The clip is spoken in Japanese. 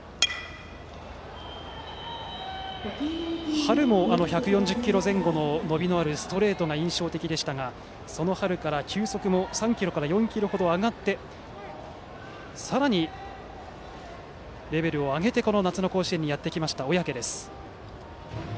春も１４０キロ前後の伸びのあるストレートが印象的でしたがその春から球速も３キロから４キロほど上がってさらにレベルを上げて夏の甲子園にやってきた小宅。